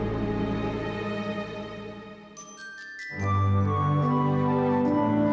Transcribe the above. sampai jumpa dil